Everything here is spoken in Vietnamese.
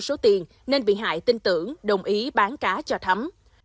để có tiền tiền nên bị hại tin tưởng đồng ý bán cá cho thấm